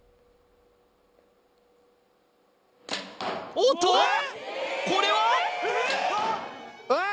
おっとこれは？えっ！？